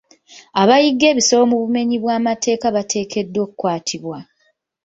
Abayigga ebisolo mu bumennyi bw'amateeka bateekeddwa okukwatibwa.